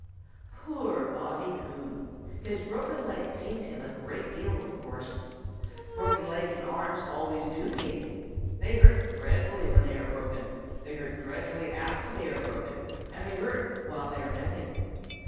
|POOR Bobby Coon! His broken leg pained him a great deal, of course. Broken legs and arms always do pain. They hurt dreadfully when they are broken, they hurt dreadfully after they are broken, and they hurt while they are mending.